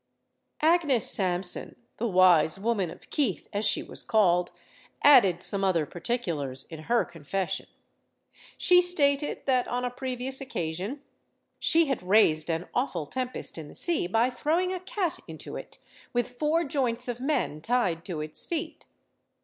Agnes Sampson, the wise woman of Keith, as she was called, added some other particulars in her confession. She stated, that on a previous occasion, she had raised an awful tempest in the sea by throwing a cat into it, with four joints of men tied to its feet.